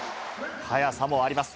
速さもあります。